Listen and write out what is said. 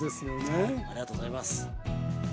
ありがとうございます。